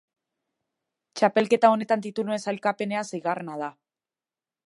Txapelketa honetan tituluen sailkapenean seigarrena da.